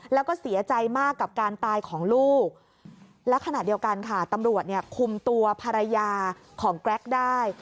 แล้วก็เสียใจมากกับการตายของลูกและขณะเดียวกันค่ะตำรวจเนี่ยคุมตัวภรรยาของแกรกได้